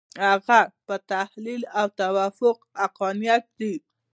د هغه په تحلیل دا توافق عقلاني دی.